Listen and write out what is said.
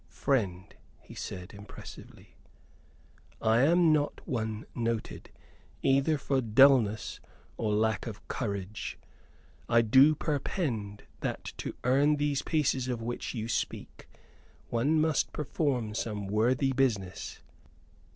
"Friend," he said, impressively, "I am one not noted either for dullness or lack of courage. I do perpend that to earn these pieces of which you speak one must perform some worthy business.